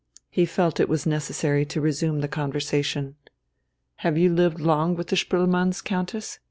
He felt it was necessary to resume the conversation. "Have you lived long with the Spoelmanns, Countess?"